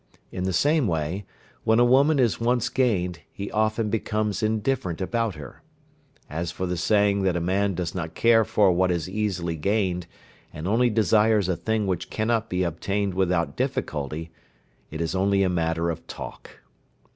In the same way, when a woman is once gained, he often becomes indifferent about her. As for the saying that a man does not care for what is easily gained, and only desires a thing which cannot be obtained without difficulty, it is only a matter of talk.